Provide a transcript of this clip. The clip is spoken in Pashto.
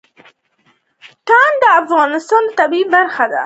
تنوع د افغانستان د طبیعت برخه ده.